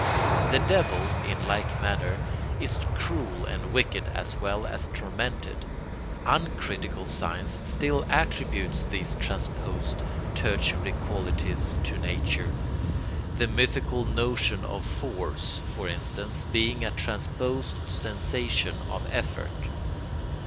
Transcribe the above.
The devil, in like manner, is cruel and wicked as well as tormented. Uncritical science still attributes these transposed tertiary qualities to nature; the mythical notion of force, for instance, being a transposed sensation of effort.